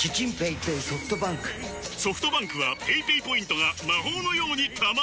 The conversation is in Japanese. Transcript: ソフトバンクはペイペイポイントが魔法のように貯まる！